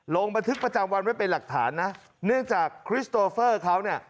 ลงบันทึกประจำวันไว้เป็นหลักฐานนะเนื่องจากคริสโตเฟอร์เขาเนี่ย